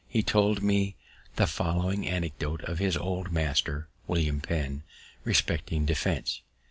He told me the following anecdote of his old master, William Penn, respecting defense.